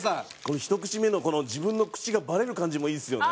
ひと口目の自分の口がバレる感じもいいですよね